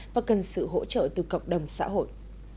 và cần sự hỗ trợ từ cộng đồng xã hội